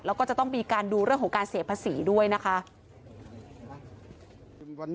แล้วก็จะต้องมีการดูเรื่องของการเสียภาษีด้วยนะคะ